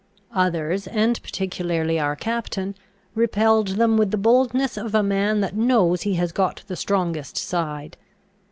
Others, and particularly our captain, repelled them with the boldness of a man that knows he has got the strongest side.